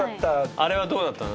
あれはどうだったの？